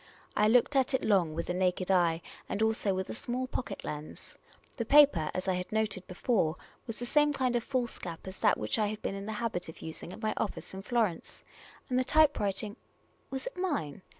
I looked at it long with the naked eye and also with a small pocket lens. The paper, as I had noted before, was the same kind of foolscap as that which I had been in the habit of using at my office in Florence ; and the typewriting — was it mine